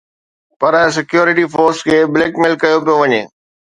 پر security force کي blackmail ڪيو پيو وڃي